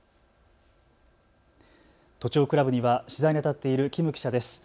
都庁クラブには取材にあたっている金記者です。